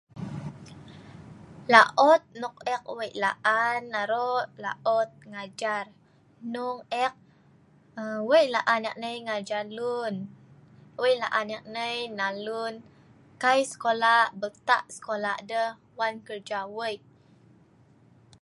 Laot nok eek wei' laan aro', laot ngajar hnung eek um wei' laan eek nai ngajar lun, wei' laan eek nai nnal lun kai skolah belta' skolah deh wan kerja wei'